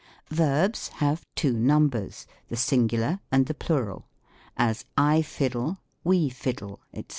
Verbs have two numbers, the Singular and the Plural : as, " I fiddle, we fiddle, "*&c.